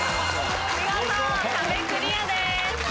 見事壁クリアです。